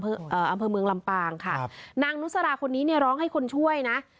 อำเภอเมืองลำปางค่ะครับนางนุสราคนนี้เนี่ยร้องให้คนช่วยนะ